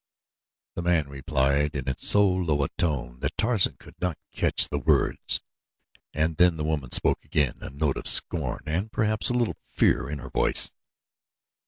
The man replied in so low a tone that Tarzan could not catch the words and then the woman spoke again a note of scorn and perhaps a little of fear in her voice.